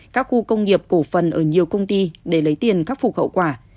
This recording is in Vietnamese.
các khu công nghiệp cổ phần ở nhiều công ty để lấy tiền khắc phục hậu quả